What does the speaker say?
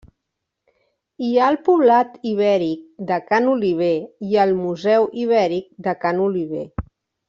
Hi ha el Poblat ibèric de Ca n'Oliver i el Museu Ibèric de Ca n'Oliver.